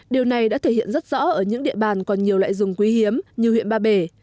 điều này đã thể hiện rất rõ ở những địa bàn còn nhiều loại rừng quý hiếm như huyện ba bể